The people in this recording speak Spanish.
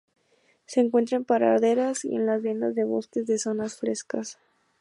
Se encuentra en praderas y en las lindes de bosques, en zonas frescas.